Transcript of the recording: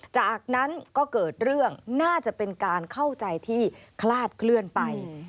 จากนั้นก็เกิดเรื่องน่าจะเป็นการเข้าใจที่คลาดเคลื่อนไป